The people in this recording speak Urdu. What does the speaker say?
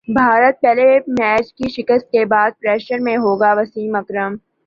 بھارت پہلے میچ کی شکست کے بعد پریشر میں ہوگاوسیم اکرم